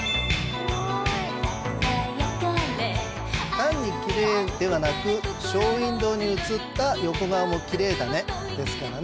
単に「綺麗」ではなく「ショー・ウィンドウに映った横顔も綺麗だね」ですからね。